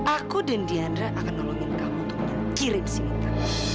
aku dan diandra akan nolongin kamu untuk mengirim si mita